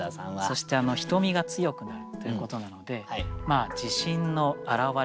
そして「瞳が強くなる」ということなので自信の表れといいますかね。